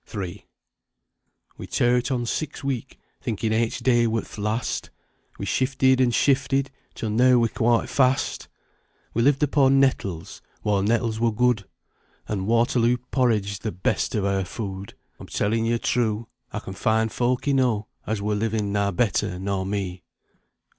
III. We tow'rt on six week thinking aitch day wur th' last, We shifted, an' shifted, till neaw we're quoite fast; We lived upo' nettles, whoile nettles wur good, An' Waterloo porridge the best o' eawr food, Oi'm tellin' yo' true, Oi can find folk enow, As wur livin' na better nor me.